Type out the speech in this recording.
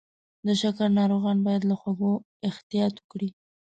د شکر ناروغان باید له خوږو احتیاط وکړي.